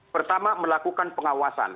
pertama melakukan pengawasan